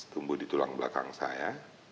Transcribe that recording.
tumbuh di tulang belakang saya